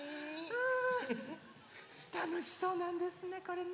たのしそうなんですねこれね。